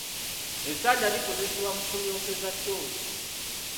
Essanja likozesebwa mu kunyookeza ttooyi.